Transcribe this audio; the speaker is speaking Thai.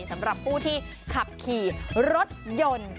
สำหรับผู้ที่ขับขี่รถยนต์